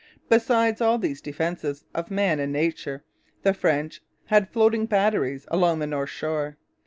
Besides all these defences of man and nature the French had floating batteries along the north shore.